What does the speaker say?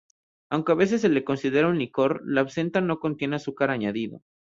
Aunque a veces se la considera un licor, la absenta no contiene azúcar añadido.